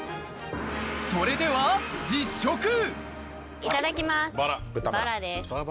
それではいただきますバラです。